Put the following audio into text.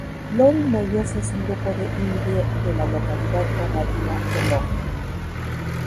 Lori Meyers es un grupo de "indie" de la localidad granadina de Loja.